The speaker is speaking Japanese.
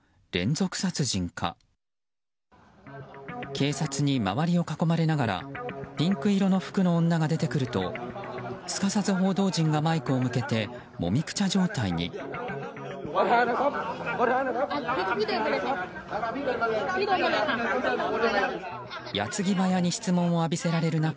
警察に周りを囲まれながらピンク色の服の女が出てくるとすかさず報道陣がマイクを向けてもみくちゃ状態に。矢継ぎ早に質問を浴びせられる中